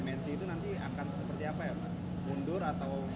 mensi itu nanti akan seperti apa ya pak mundur atau